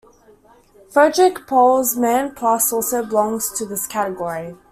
Frederik Pohl's "Man Plus" also belongs to this category.